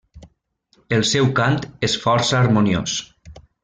El seu cant és força harmoniós.